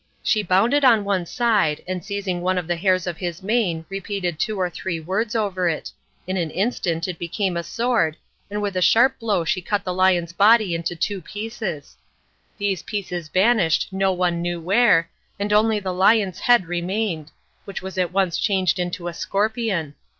She bounded on one side, and seizing one of the hairs of his mane repeated two or three words over it. In an instant it became a sword, and with a sharp blow she cut the lion's body into two pieces. These pieces vanished no one knew where, and only the lion's head remained, which was at once changed into a scorpion.